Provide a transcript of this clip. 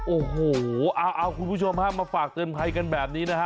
โอ้โหเอาคุณผู้ชมฮะมาฝากเตือนภัยกันแบบนี้นะฮะ